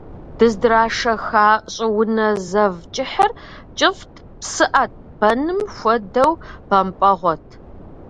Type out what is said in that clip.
Дыздрашэха щӏыунэ зэв кӏыхьыр кӏыфӏт, псыӏэт, бэным хуэдэу бэмпӏэгъуэт.